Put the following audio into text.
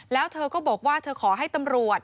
แล้วเธอก็บอกว่าเธอขอให้ตำรวจ